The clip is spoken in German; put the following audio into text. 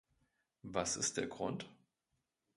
Was ist der Grund?